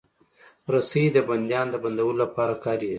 رسۍ د بندیانو د بندولو لپاره کارېږي.